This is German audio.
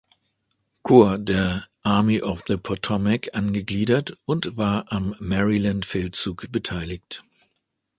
Korps der Army of the Potomac angegliedert und war am Maryland-Feldzug beteiligt.